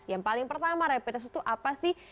yang paling pertama rapid test itu apa sih